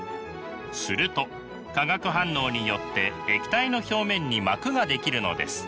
すると化学反応によって液体の表面に膜が出来るのです。